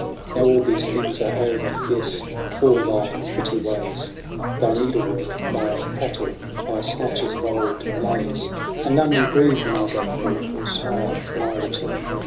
Now, all those things are over — yes, all thy pretty ways, Thy needlework, thy prattle, thy snatches of old lays ; And none will grieve when I go forth, or smile when I return.